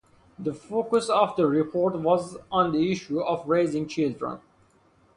The focus of the report was on the issue of raising children.